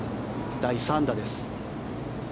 第３打です。